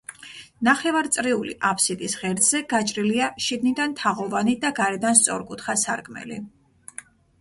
ნახევარწრიული აფსიდის ღერძზე გაჭრილია შიგნიდან თაღოვანი და გარედან სწორკუთხა სარკმელი.